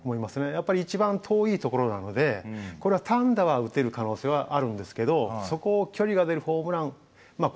やっぱり一番遠いところなので単打は打てる可能性あるんですけどそこを距離が出るホームランまあ